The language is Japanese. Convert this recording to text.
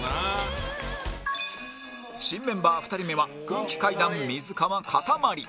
新メンバー２人目は空気階段水川かたまり